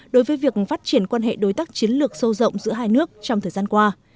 đối với việc phát triển quan hệ đối tác chiến lược sâu rộng giữa hai nước trong thời gian qua